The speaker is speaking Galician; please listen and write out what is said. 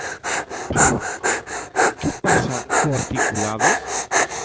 Que pasa co articulado?